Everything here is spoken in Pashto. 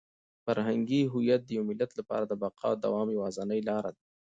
فرهنګي هویت د یو ملت لپاره د بقا او د دوام یوازینۍ لاره ده.